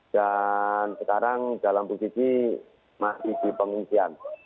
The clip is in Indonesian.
dan sekarang dalam posisi masih di pengusian